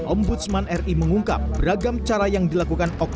om budsman ri mengungkap beragam cara yang dilakukan oknum orang tua